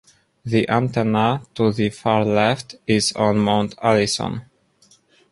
The antenna to the far left is on Mount Allison.